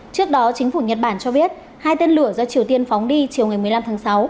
trước đó chính phủ nhật bản cho biết hai tên lửa do triều tiên phóng đi chiều ngày một mươi năm tháng sáu